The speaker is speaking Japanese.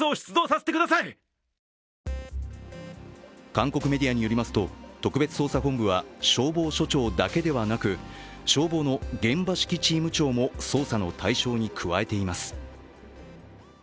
韓国メディアによりますと特別捜査本部は消防署長だけではなく消防の現場指揮チーム長も捜査の対象に加えています。